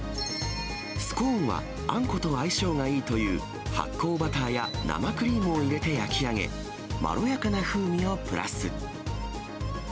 スコーンは、あんこと相性がいいという発酵バターや生クリームを入れて焼き上げ、まろやかな風味をプラス。